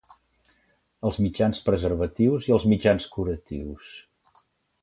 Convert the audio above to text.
Els mitjans preservatius i els mitjans curatius.